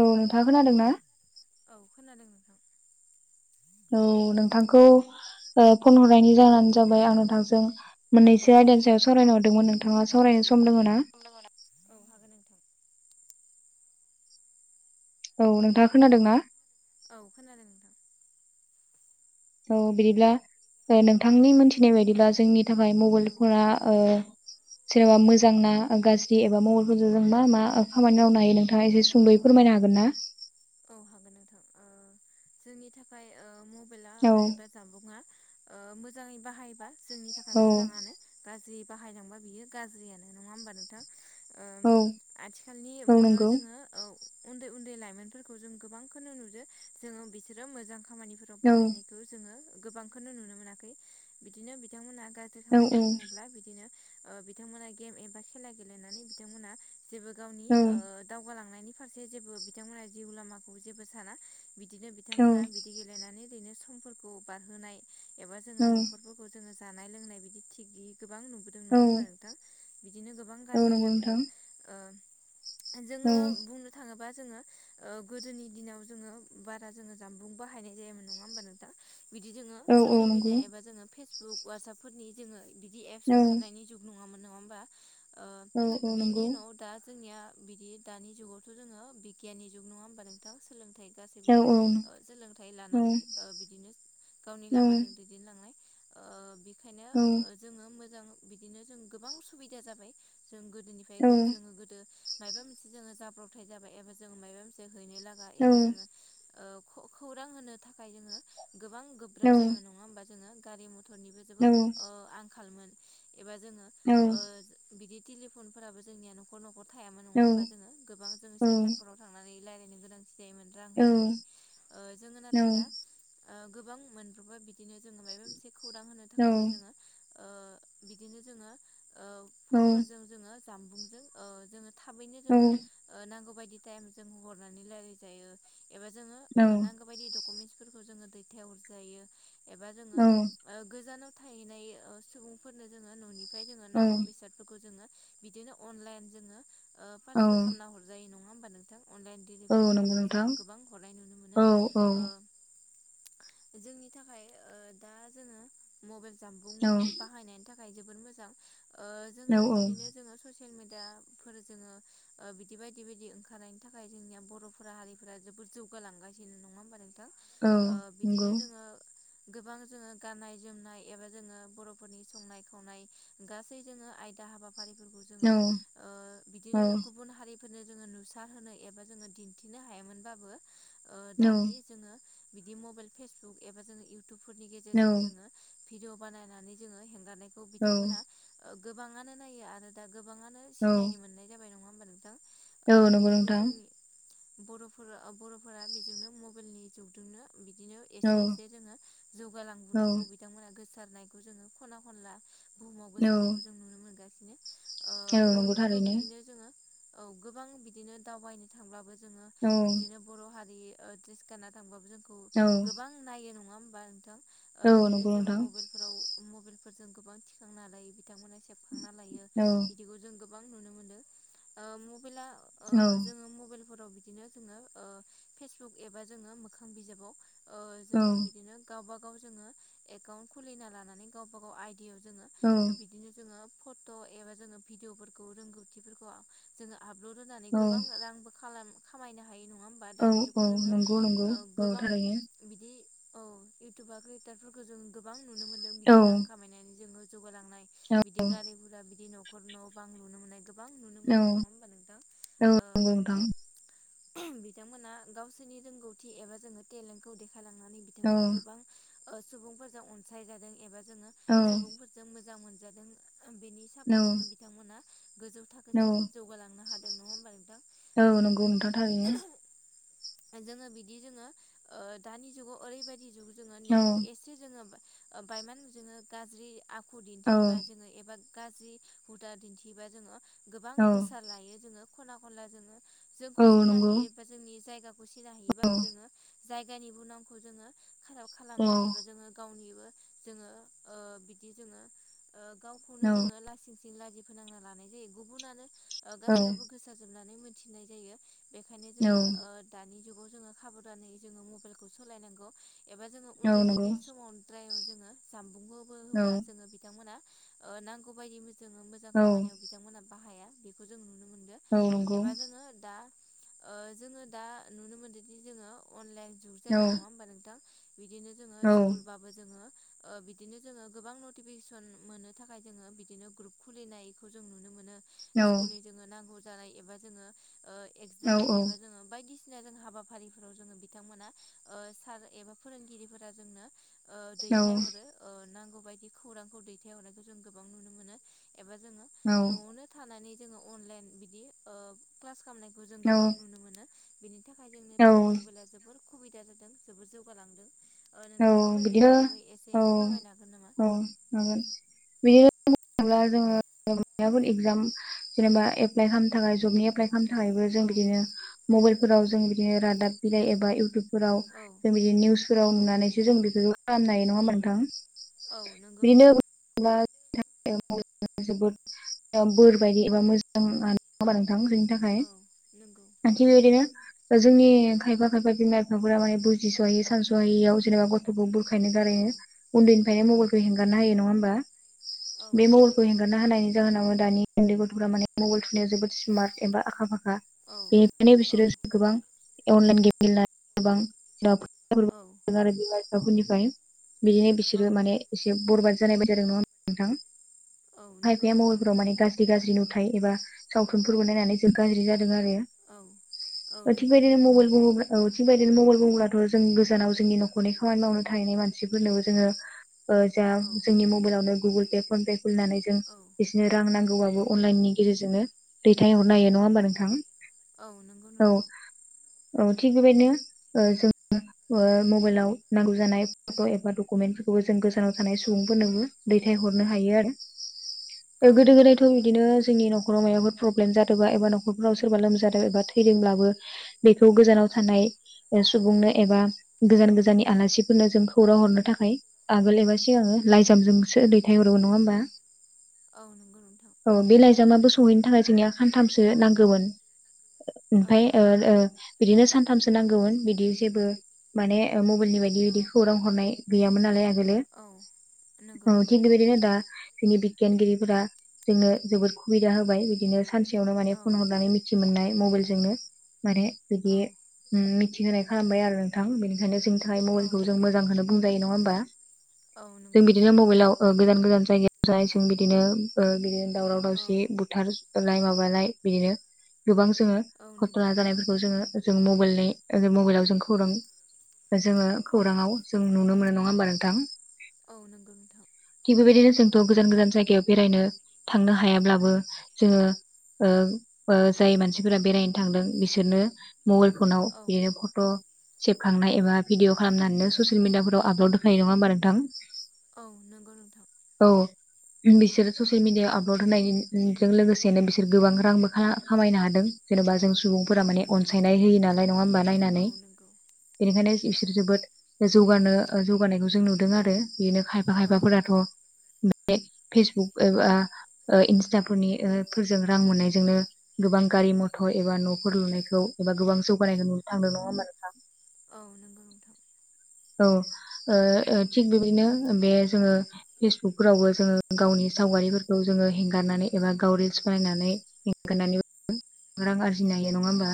औ नोंथाङा खोनादों ना? औ खोनादों नोंथां औ नोंथांखौ ओ फन हरनायनि जाहानो जाबाय आं नोंथांजों मोननैसो आयदानि सायाव सावरायनो हरदोंमोन नोंथाङा सावरायनो सम दङना? औ हागोन नोंथां। औ नोंथाङा खोनादोंना? औ खोनादों नोंथां। औ बिदिब्ला ओ नोंथांनि मोनथिनाया बादिब्ला जोंनि थाखाय औ मबाइलफोरा ओ सोरबा मोजां ना गाज्रि एबा मबाइलफोरजों जों मा मा ओ खामानि मावनो हायो नोंथाङा एसे सुंदयै औ फोलमायनो हागोनना? औ हागोन नोंथां। ओ जोंनि थाखाय ओ मबाइला औ एबा जामुंआ ओ मोजाङै बाहायोबा जोंनि थाखाय औ मोजांङानो गाज्रि बाहायदोंबा बियो गाज्रियानो नङा होमबा नोंथां ओम औ आथिखालनि औ मुगायाव नंगौ जोङो औ उन्दै उन्दै लाइमोनफोरखो जोङो गोबांखौनो नुदो जोङो बिसोरो मोजां खामानाफोराव औ बाहायनायखौ जोङो गोबांखौनो नुनो मोनाखै बिदिनो बिथांमोना गाज्रि औ खामानि औ बुङोब्ला बिबिथांमोना गेम एबा खेला गेलेनानै बिथांमोना जेबो गावनि औ ओ दावगालांनायनि फारसे जेबो बिथांमोनहा जिउ लामाखौ जेबो साना बिदिनो औ बिथांमोनहा बिदि गेलेनानै ओरैनो समफोरखौ बारहोनाय एबा जोङो न'खरफोरखौ जोङो जानाय लोंनाय बिदि थिग गैयि गोबां नुबोदों नङा औ होमबा नोंथां बिदिनो गोबां औ गाज्रि नंगौ नोंथां जाबोदों ओ औ जोङो बुंनो थाङोब्ला जोङो ओ गोदोनि दिनाव जोङो बारा जोङो जानबुं बाहायनाय जायोमोन नङा होमबा नोंथां बिदि जोङो औ औ ससियेल मिडिया नंगौ एबा जोङो फेसबुक बुक ववाट्सपफोरनि जोङो बिदि एपस औ ओंखारनायनि जुग नङामोन नङा होमबा ओ औ औ बिनि नंगौ उनाव दा जोंनिया बिदि दानि जुगावथ' जोङो बिगियाननि जुग नङा होमबा नोंथाङा सोलोंथाइ औ गासैबो औ सोलोंथाइ औ लानानै ओ बिदिनो गावनि औ लामाजों दैदेनलांनाय ओ बेखायनो जोङो मोजां बिदिनो जों गोबां सुबिदा जाबाय जों औ गोदोनिफ्राय जोङो गोदो मायाबा मोनसे जोङो जाब्रबथाय जाबाय एबा जोङो माबा मोनसे हैनो लागा एबा जोङो ओ खौरां होनो थाखाय जोङो गोबां औ गोब्राब जायबो नङा होमबा जोङो गारि गथ'निबो जोबोद ओ आंखालमोन एबा जोङो ओ बिदि टेलिफन फोराबो जोंनिया नखर न'खर थायामोन नङा होमबा जोङो गोबां जोङो सेन्टारफोराव थांनानै रायज्लायनो गोनांथि जायोमोन रां होनानै ओ जोङो नाथाय दा ओ गोबां मोनबबा बिदिनो जोङो मायबा मोनसे खौरां होनो थाखायबो औ जोङो ओ बिदिनो जोङो ओ फनफोरजों जोङो जामबुंजों ओ जोङो थाबैनो जोङो ओ नांगौ बाय एनिटायेम जोङो हरनानै लायरायजायो एबा जोङो नांगौबादिओ डकुमेन्टफोर जोङो दैथाय हरजायो एबा जोङो ओ गोजानाव थाहैनाय ओ सुबुंफोरनो जोङो न'निफ्राय जोङो औ नांगौ बेसादफोरखौ जोङो बिदिनो अनलाइन जोङो ओ पारसेल औ खालामना हरजायो नङा होमबा नोंथां अनलाइन डेलिभारि नंगौ खालामनो जोङो नोंथां गोबां हरनाय नुनो मोनो औ औ ओ जोंनि थाखाय ओ दा जोङो मबाइल जामबुं औ बाहायनायनि थाखाय थाखाय जोबोर मोजां ओ जोङो बिदिनो जोङो स मिडिया फोर जोङो बिदि बायदि बायदि ओंखारनायनि थाखाय जोंनिया बर'फोरा हारि जोबोद जौगालांगासिनो नङा होमबा नोंथां औ ओ नंगौ बिदिनो जोङो गोबां जोङो गाननाय जोमनाय एबा जोङो बर'फोरनि संनाय खावनाय गासै जोङो आयदा हाबा हारिफोरखौ औ जोङो ओ बिदिनो औ गुबुन हारि फोरनो जोङो नुसार होनोनो एबा जोङो दिन्थिनो हायामोनबाबो ओ दानि नंगौ जोङो बिदि मबाइल फेसबुक एबा जोङो इउटुबफोरनि गेजेरजों जोङो भिदिव बानायनानै जोङो हेंगारनायखौ बिथांमोना ओ गोबाङानो नायो आरो दा गोबांङानो सिनायनो मोन्नाय जाबाय नङा होमबा नोंथां ओ बिदिनो नोंथां जोंनि बर'फोरा अ बर'फोरा बेजोंनो मबाइलनि जुगदोंनो बिदिनो औ एसे-एसे जोङो औ जौगालांबोनायखौ बिथांमोना गो- सारनायखौ जोङो खना खनला बुहुमावबो औ गोसारनायखौ जों नुनो मोनगासिनो अ नंगौ बर'फोरखौ थारैनो बिदिनो जोङो औ गोबां बिदिनो दावबायनो थांब्लाबो जोङो औ बिदिनो बर' हारि अ द्रेस गानना थांबाबो जोंखौ गोबां नायो नङा हम बा नोंथां औ बिदिनो नंगौ जोङो नोंथां मबाइलफोराव-मबाइलफोरजों गोबां थिखांना लायो बिथांमोना सेबखांना लायो औ बिदिखौ जों गोबां नुनो मोनो अ मबाइला ओ औ जोङो मबाइल फोराव बिदिनो जोङो अ फेसबुक एबा जोङो मोखां बिजाबाव अ औ जोङो बिदिनो गावबा गाव जोङो एकाउन्ट खुलिना लानानै गावबा गाव आइ डियाव जोङो बिदिनो जोङो फट' एबा जोङो भिदिअफोरखौ रोंगौथिफोरखौ आ जोङो आपलड होनानै औ गोबां रांबो खालाम खामायनो हायो नङा होमबा औ दानि जुगाव औ जोङो नंगौ नंगौ अ औ गोबां थारैनो बिदि औ इउटुबार क्रियेटारफोरखौ जों गोबां नुनो मोन्दों औ बिदि रां खामायनानै जोङो लांनाय बिदि गारि गोरा बिदि न'खर न' बां लुनो मोननाय गो- बां नुनो औ मोनदों नङा होमबा नोंथां औ अ नंगौ नोंथां बिथांमोना गावसोरनि रोंगौथि एबा जोङो टेलेन्टखौ दे खायलांनानै औ बिथांमोना गोबां अ सुबुंफोरजों अनसाय जादों एबा जोङो औ सुबुंफोरजों मोजां मोनजादों बेनि औ सापर्टआवनो बिथांमोना गोजौ औ थाखोसिम जौगालांनो हादों नङा होमबा नोंथां? औ ओ नंगौ नोंथां थारैनो। जोङो बिदि जोङो अ दानि जुगाव ओरैबायदि जो जोङो औ नेबाय एसे जोङो बा-बायमान जोङो गाज्रि आखु औ दिन्थियोबा जोङो एबा गाज्रि हुदा दिन्थियोब्ला जोङो गोबां औ गोसार लायो जोङो खना खनला जोङो जोंखौ औ सिना नंगौ हयि एबा जोंनि जायगाखौ सिना औ हयिबाबो जोङो जायगानिबो नामखौ जोङो खाराब खालामो औ एबा जोङो गावनिबो जोङो अ बिदि जोङो अ गावखौनो जोङो लासिं सिं लाजि फोनांना लानाय जायो गुबुनानो अ औ गासैयावबो गोसारजोबना- थिनाय जायो बेनिखायनो औ जोङो अ दानि जुगाव जोङो हाबधानै जोङो मबाइलखौ सलाय नांगौ एबा जोङो नंगौ उन्दै-उन्दै समावद्राय जोङो जानबुंखौबो औ होबा जोङो बिथांमोना अ नांगौ बायदि जोङो मोजां औ खामानियाव बिथांमोना बाहाया बेखौ जों नुनो। मोनदों औ नंगौ। एबा जोङो दा अ जोङो दा नुनो मोनदोंदि जोङो अनलाइन जुग औ जादों नङा होमबा नोंथां? बिदिनो जोङो स्कुलबाबो जोङो अ बिदिनो जोङो गोबां नटिफिकेसन मोननो थाखाय जोङो बिदिनो ग्रुप खुलिनायखौ जों नुनो मोनो। स्कुलनि जोङो नांगौ जानाय एबा जोङो अ एगजाम एबा जोङो बायदि सिना जों हाबाफारिफोराव जोङो बिथांमोना अ सार एबा फोरोंगिरिफोरा जोंनो अ दैथायहरो अ नांगौ बायदि खौरांखौ दैथायहरनायखौ जों गोबां नुनो मोनो। एबा जोङो न'आवनो थानानै जोङो अनलाइन बिदि अ क्लास खालामनायखौ जों गोबां औ नुनो मोनो बेनि थाखाय जोंनि औ थाखाय मबाइला जोबोर सुबिदा जादों जोबोर जौगालांदों। ओ औ नोंथाङाबो बिदिनो बेनि बागै एसे औ फोरमायनो हागोन नामा? औ हागोन बियो थ्ला जोङो म एगजाम जेनेबा एप्लाइ खालामनो थाखाय जबनि एप्लाइ खामनो थाखायबो जों औ बिदिनो मबाइलफोराव जों बिदिनो रादाब बिलाइ एबा इउटुब फोराव औ जों बिदि निउसफोराव नंगौ नुनानैसो जों बे खालामनो हायो नङा होमा नोंथां? औ नंगौ नोंथां। [inaudible] रांरिं थाखायन औ नंगौ थिग नंगौ इदिनो उ जोंनि खायफा-खायफा बिमा बिफाफोरा माने बुजिस'है सानस'हायैयाव जेनेबा गथ'खौ बो खायनो औ गारयो उन्दैनिफ्रायनो मबाइलखौ हेंगारनो होयो नङा होमबा? औ बे नंगौ मबाइलखौ नोंथां हेंगारनो हायनि जाहोना मोन दानि उन्दै गथ'फोरा माने मबाइल थुनायाव जोबोद सिमार्ट एबा आखा फाखा औ बेनिखायनो औ बिसोरो गोबां अनलाइन गेम गेलेनानै गोबां औ। ओजों आरो बिमा बिफाफोरनिफ्राय बिदिनो औ बिसोरो माने एसे बरबाद जानाय बायदियानो नंङा होमबा नोंथां औ नंगौ खायफाया नोंथां मबाइलफोराव माने गाज्रि गाज्रि नु थाय एबा सावथुनफोरखौ नायनानै गाज्रि जा दों आरो औ औ ओ थिग नंगौ बेबायदिनो नोंथां मबाइल बुंङोब्ला औ थिग बेबायदिनो मबाइल बुंङोब्लाथ' जों गोजानाव जोंनि न'खरनि खामानि मावनो थाहैनाय मानसिफोरनोबो जोंङो ओ जा औ जोंनि मबाइलावनो गुगोल पे फन पे खुलिनानै जों औ बिसोरनो रां नांगौबाबो अनलाइननि गेजेरजोंनो दैथायहरनो हायो नंङा औ होमबा नोंथां औ नंगौ औ नोंथां औ थिग बेबायदिनो ओ जों ओ मबाइलाव नांगौ जानाय फट' एबा डकुमेन्टफोरखौबो जों गोजानाव थानाय सुबुंफोरनोबो दैथायहरनो हायो आरो औ गोदो नंगौ गोदायथ' नोंथां बिदिनो जोंनि न'खर न'खराव माबफोर प्रब्लेम जादोंबा एबा न'खराव सोरबा लोमजादों एबा थैदोंब्लाबो बेखौ गोजानाव औ थानाय सुबुंनो एबा गोजान गोजाननि आलासिफोरनो जों खौरां हरनो थाखाय आगोल एबा सिगांङो लाइजामजोंसो दैथायहरो औ नंङा होमबा औ नंगौ नोंथां लायजामाबो सहैनो थाखाय जोंनिया सानथामसो नांगौमोन औ ओमफ्राय ओ नंगौ ओ बिदिनो सानथामसो नांगौमोन बिदि जेबो माने मबाइलनि बायदि बिदि खौरां हरनाय गैयामोन नालाय आग गोलो औ नंगौ औ थिग बेबायदिनो दा जोंनि बिगियानगिरिफोरा जोंनो जोबोद सुबिदा होबाय बिदिनो सानसेयावनो माने औ फन हरनानै मिथि मोननाय मबाइल जोंनो माने बिदि औ मिथि थि होनाय खालामबाय आरो नोंथां बेनिखायनो जोंनि थाखाय औ मबाइलखौ जों नंगौ मोजांखौनो बुंजायो नंङा होमबा? औ जों नंगौ बिदिनो नोंथां मबाइलाव ओ गोजान गोजान जायगायाव जानाय जों बिदिनो ओ बिदि दावराव औ दावसि बुथार सुथारनाय माबानाय बिदिनो गोबां जोङो औ नंगौ घटना जानायफोरखौ जोङो जों मबाइलनि मबाइलाव जों खौरां जोंङो खौराङाव जों नुनो मोनो नंङा होमबा नोंथां? औ नंगौ नोंथां थिग बेबायदिनो जोंथ' गोजान गोजान जायगायाव बेरायनो थांनो हायाब्लाबो जोंङो ओ ओ जाय मानसिफोरा बेरायनो थांदों बिसोरनो मबाइल फनाव औ बेयो फट' सेबखांनाय एबा भिडिअ' खालामनानै ससियेल मिडियाफोराव आपल'ड होखानाय नंङा होमबा नोंथां? औ नंगौ नोंथां। औ बिसोरो ससियेल मिडियायाव आपलड होनायजों लोगोसेनो बिसोर गोबां रांबो खामायनो हादों जेन'बा जों औ सुबुंफोरा माने नंगौ अनसायनाय होयो नालाय नङा होमबा औ नायनानै नंगौ बेनिखायनो बिसोर जोबोद जौगानो जौगानायखौ जों नुदों आरो बेनो खायफा औ खायफाफोराथ' नंगौ बे फेसबुक एबा इन्स्टाफोरनि फोरजों रां मोननायजोंनो गोबां गारि मथर एबा न'फोर लुनायखौ एबा गोबां जौगानायखौ नुनो थांदों नंङा होमबा नोंथां। औ नोंगौ नोंथां औ ओ ओ थिग बेबायदिनो बे जोंङो फेसबुकफोरावबो जोंङो गावनि सावगारिफोरखौ जों जोंङो हगारनानै एबा गाव रिल्स बानायनानै हेंगारनानैबो रां आरजिनो हायो नंङा औ होमबा?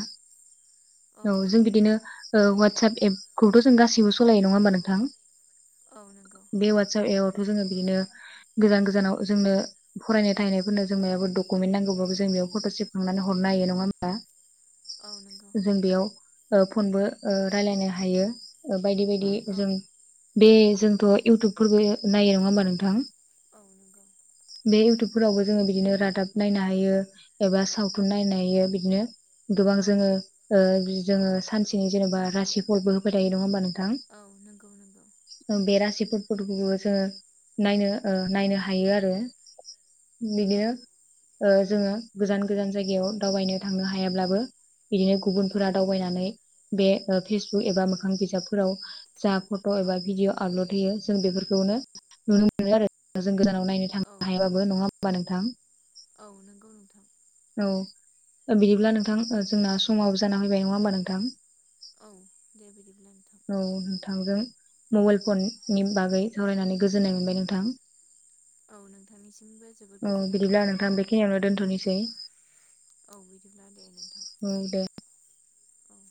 औ जों बिदिनो औ वाटसाब एपखौथ' जों गासैबो स सलायो नङा होमबा नोंथां औ नंगौ बे वाटसाप एब जोंङो बिदिनो गोजान गोजानाव जोंनो फरायनाय थाहैनायफोरनो जों मायाबा दुकुमेन्ट नांगौबाबो जों फट' सेबखांनानै हरनो हायो नङा होमबा औ नंगौ जों बेयाव ओ फनबो ओ रायलायनो हायो ओ बायदि बायदि दि औ जों बे जोंथ इउथुबफोरबो नायो नङा होमबा नोंथां [inaudible] बे इउटुबफोरावबो जोङो बिदिनो रादाब नायनो हायो एबा सावथुन नायनो हायो बिदिनो गोबां औ जोङो ओ जोङो सानसेनि जेनेबा रासि फलबो होबाय थायो नङा होमबाय नों औ नंगौ नंगौ सिफोरखौबो जोङो नायनो ओ नायनो हायो आरो औ बिदिनो ओ जोङो गोजान गोजान जायगायाव दावबायनो थांनो हायाब्लाबो बिदिनो औ गुबुनफोरा दावबायनानै बे ओ फेसबुक एबा मोखां बिजाबफोराव जा फट' औ एबा भिडिअ आपलड होयो जों बेफोरखौनो नुनो मोनो आरो जों गोजानाव नायनो औ थांनो हायाबाबो नङा होमबा नोंथां? औ नोंगौ नोंथां। औ बिदिब्ला नोंथां जोंना समाव जाना फैबाय नङा होमबा नोंथां? औ दे बिदिब्ला नोंथां औ नोंथांजों मबाइल फन नि बागै सावरायनानै गोजोननाय मोनबाय नोंथां। औ नोंथांनिसिमबो जोबोद औ गोजोननाय बिदिब्ला थाबाय नोंथां। बेखिनियावनो दोनथ'नोसै औ बिदिब्ला दे नोंथां। औ दे औ